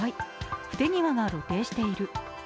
不手際が露呈している。